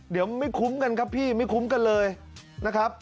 เดี๋ยวไม่คุ้มกันครับพี่ไม่คุ้มกันเลยนะครับ